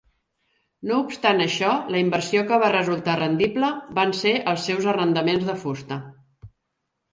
No obstant això, la inversió que va resultar rendible van ser els seus arrendaments de fusta.